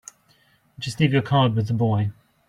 Just leave your card with the boy.